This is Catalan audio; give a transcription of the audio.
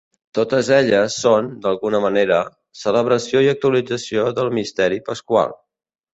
Totes elles són, d'alguna manera, celebració i actualització del Misteri Pasqual.